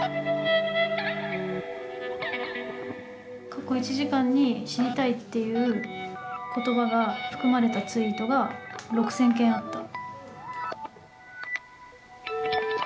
過去１時間に「死にたい」っていう言葉が含まれたツイートが６，０００件あった。